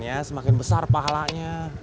kebannya semakin besar pahalanya